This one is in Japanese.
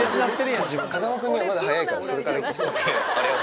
風間君にはまだ早いから、それからいこう。